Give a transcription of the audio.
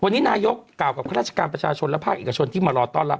วันนี้นายกกล่าวกับข้าราชการประชาชนและภาคเอกชนที่มารอต้อนรับ